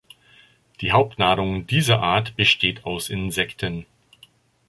Die Hauptnahrung dieser Art besteht aus Insekten.